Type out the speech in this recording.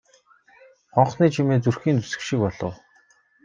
Хонхны чимээ зүрхийг нь зүсэх шиг болов.